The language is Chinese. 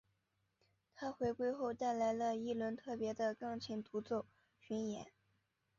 她回归后带来了一轮特别的钢琴独奏巡演。